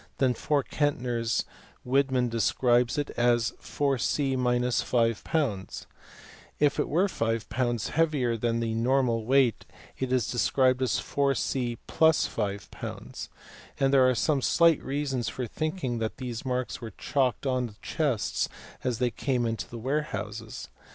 than four centners Widinan describes it as 4c 5 Ibs. : if it were 5 Ibs. heavier than the normal weight it is described as 4c | 5 Ibs. : and there are some slight reasons for thinking that these marks were chalked on to the chests as they came into the warehouses.